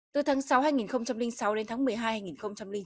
từ tháng sáu hai nghìn sáu đến tháng một mươi hai hai nghìn chín